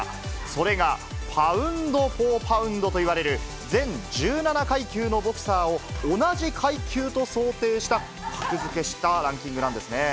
それがパウンドフォーパウンドといわれる、全１７階級のボクサーを同じ階級と想定して格付けしたランキングなんですね。